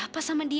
apa sama dia